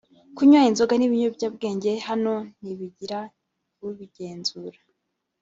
Kunywa inzoga n’ibiyobyabwenge hano ntibigira ubigenzura